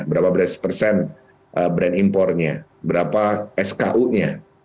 berapa belas persen brand impornya berapa sku nya